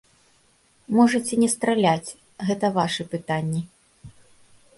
Можаце не страляць, гэта вашы пытанні.